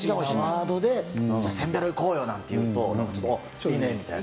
ワードでせんべろ行こうよなんて言うと、いいねみたいな。